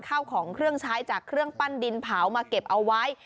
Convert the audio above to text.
ข้าวของเครื่องใช้จากเครื่องปั้นดินเผามาเก็บเอาไว้